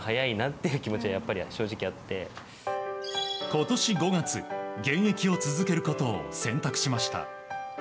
今年５月、現役を続けることを選択しました。